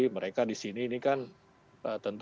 mereka di sini ini kan tentu